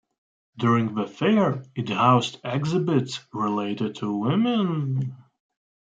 During the fair it housed exhibits related to women.